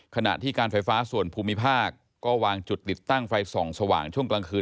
ขณะที่การไฟฟ้าส่วนภูมิภาคก็วางจุดติดตั้งไฟส่องสว่างช่วงกลางคืน